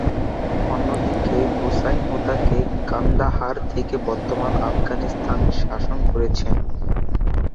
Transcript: অন্যদিকে হুসাইন হুতাক কান্দাহার থেকে বর্তমান আফগানিস্তান শাসন করেছেন।